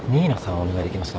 お願いできますか？